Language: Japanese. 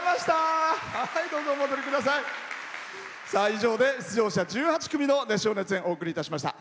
以上で出場者１８組の熱唱、熱演お送りいたしました。